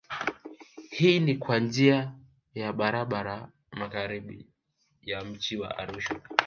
Hii ni kwa njia ya barabara magharibi ya mji wa Arusha